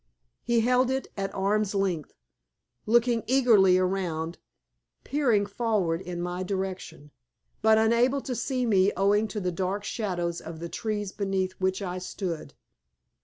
He held it at arm's length, looking eagerly around, peering forward in my direction, but unable to see me owing to the dark shadows of the trees beneath which I stood.